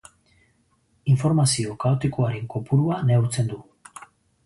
Informazio kaotikoaren kopurua neurtzen du.